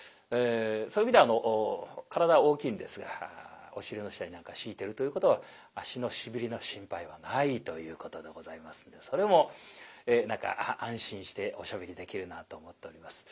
そういう意味では体大きいんですがお尻の下に何か敷いてるということは足のしびれの心配はないということでございますんでそれも何か安心しておしゃべりできるなと思っております。